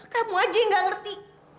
kamu aja yang gak ngerti